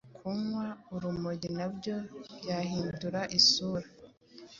Kunywa urumogi na byo byahinduye isura,